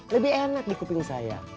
lebih enak di kuping saya